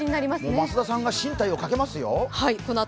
増田さんが進退をかけますよ。